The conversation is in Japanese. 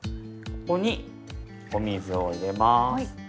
ここにお水を入れます。